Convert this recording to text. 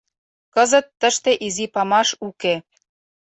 Кызыт тыште изи памаш уке.